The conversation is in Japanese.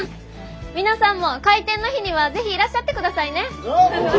皆さんも開店の日には是非いらっしゃってくださいね。